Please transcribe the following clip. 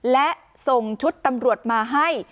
และส่งชุดตำรวจมาให้